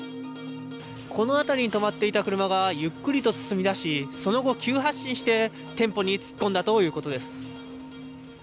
この辺りに止まっていた車がゆっくりと進みだし、その後、急発進して店舗に突っ込んだということです。